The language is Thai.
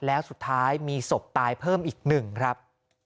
แล้วสุดท้ายมีศพตายเพิ่มอีกหนึ่งครับ